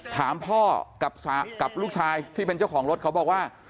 ถามพ่อกับลูกชายที่เป็นเจ้าของรถเขาบอกว่า